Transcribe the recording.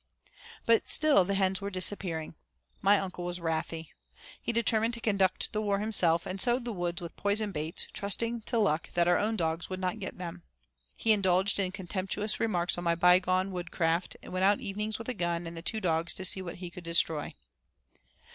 IV But still the hens were disappearing. My uncle was wrathy. He determined to conduct the war himself, and sowed the woods with poison baits, trusting to luck that our own dogs would not get them. He indulged in contemptuous remarks on my by gone woodcraft, and went out evenings with a gun and the two dogs, to see what he could destroy.